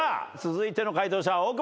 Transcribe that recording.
続いての解答者は。